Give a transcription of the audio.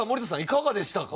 いかがでしたか？